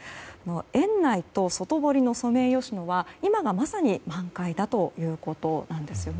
園内と外堀のソメイヨシノは今がまさに満開だということです。